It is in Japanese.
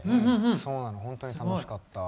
そうなの本当に楽しかった。